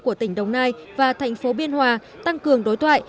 của tỉnh đồng nai và thành phố biên hòa tăng cường đối thoại